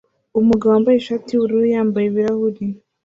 Umugabo wambaye ishati yubururu yambaye ibirahuri